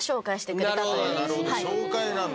なるほど。